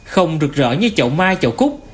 không rực rỡ như chậu mai chậu cúc